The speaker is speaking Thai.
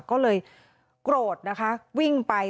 ก็เลยโกรธนะคะวิ่งไป